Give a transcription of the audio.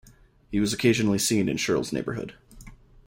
He was occasionally seen in Shirl's Neighbourhood.